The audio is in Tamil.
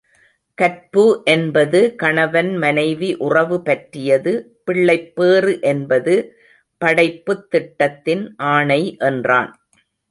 கற்பு என்பது கணவன் மனைவி உறவு பற்றியது, பிள்ளைப் பேறு என்பது படைப்புத் திட்டத்தின் ஆணை என்றான்.